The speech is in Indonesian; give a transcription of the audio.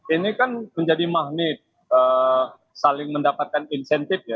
ini kan menjadi magnet saling mendapatkan insentif ya